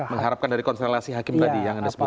mengharapkan dari konstelasi hakim tadi yang anda sebutkan